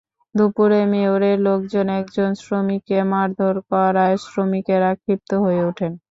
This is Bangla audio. দুপুরে মেয়রের লোকজন একজন শ্রমিককে মারধর করায় শ্রমিকেরা ক্ষিপ্ত হয়ে ওঠেন।